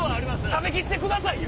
食べきってくださいよ？